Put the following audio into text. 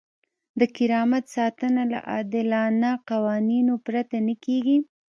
د کرامت ساتنه له عادلانه قوانینو پرته نه کیږي.